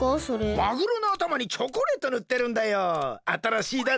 マグロのあたまにチョコレートぬってるんだよ。